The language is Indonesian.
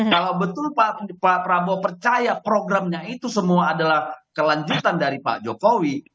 kalau betul pak prabowo percaya programnya itu semua adalah kelanjutan dari pak jokowi